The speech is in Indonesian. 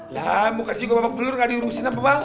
lah mau kasih gue bapak belur gak diurusin apa bang